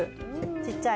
ちっちゃい。